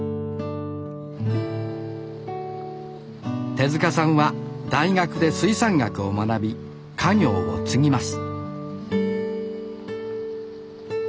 手さんは大学で水産学を学び家業を継ぎます